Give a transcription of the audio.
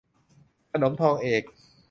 ขนมทองเอก